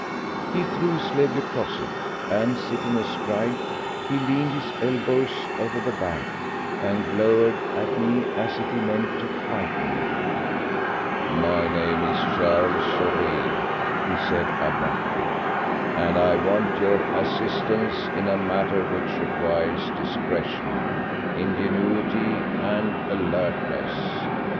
He threw his leg across it, and, sitting astride, he leaned his elbows over the back and glowered at me as if he meant to frighten me. "My name is Charles Saurez," he said abruptly, "and I want your assistance in a matter which requires discretion, ingenuity and alertness.